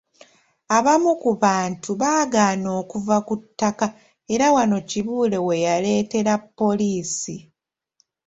Abamu ku bantu baagaana okuva ku ttaka era wano Kibuule we yaleetera poliisi.